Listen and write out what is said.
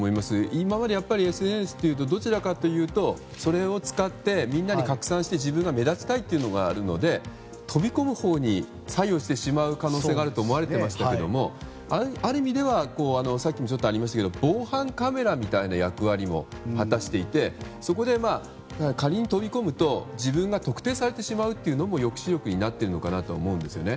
今まではＳＮＳというとどちらかというとそれを使ってみんなに拡散して自分が目立ちたいというのがあるので飛び込むほうに作用してしまう可能性があると思われていましたけれどもある意味ではさっきもありましたけど防犯カメラみたいな役割も果たしていてそこで仮に飛び込むと自分が特定されてしまうというのも抑止力になっているのかなと思っているんですね。